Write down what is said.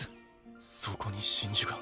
そこに真珠が。